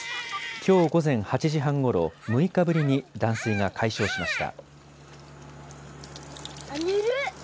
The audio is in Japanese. きょう午前８時半ごろ、６日ぶりに断水が解消しました。